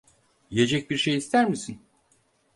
Yiyecek bir şeyler ister misin?